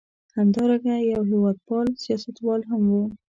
همدارنګه یو هېواد پال سیاستوال هم و.